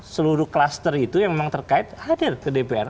seluruh klaster itu yang memang terkait hadir ke dpr